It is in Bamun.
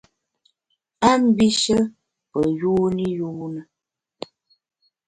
A mbishe pe yuni yune.